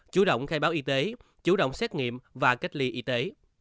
chú động khai báo y tế chú động xét nghiệm và cách ly y tế